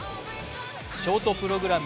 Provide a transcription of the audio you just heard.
ショートプログラム